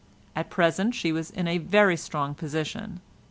At present she was in a very strong position.